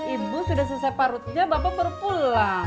ibu sudah selesai parutnya bapak baru pulang